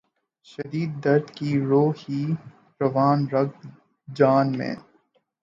شدید درد کی رو ہے رواں رگ ِ جاں میں